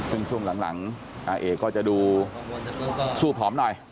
ซึ่งช่วงหลังอาเอกก็จะดูสู้ผอมหน่อย